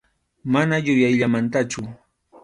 Mana yuyayllamantachu.